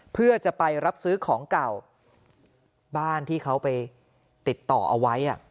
เพื่อจะไปรับซื้อของเก่าบ้านที่เขาไปติดต่อเอาไว้